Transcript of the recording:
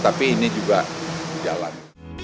tapi ini juga jalan